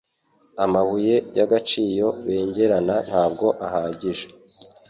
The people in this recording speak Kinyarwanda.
Amabuye y'agaciro bengerana ntabwo ahagije.